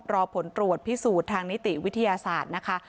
รอผลตรวจพิสูจน์ทางนิติวิทยาศาสตร์นะคะ